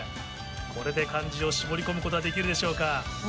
これで漢字を絞り込むことはできるでしょうか？